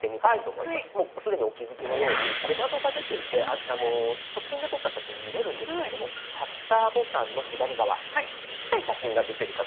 もう既にお気付きのように小窓が出ていて直近で撮った写真見れるんですけれどもシャッターボタンの左側ちっちゃい写真が出てるかと思うんですが。